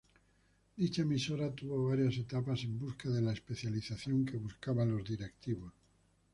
Dicha emisora tuvo varias etapas en busca de la especialización que buscaban los directivos.